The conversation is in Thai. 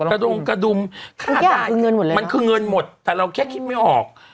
กระดุมกระดุมมันขึ้นเงินหมดแต่เราแค่คิดไม่ออก